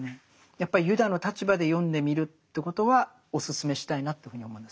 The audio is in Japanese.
やっぱりユダの立場で読んでみるということはお勧めしたいなというふうに思います。